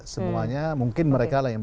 semuanya mungkin mereka yang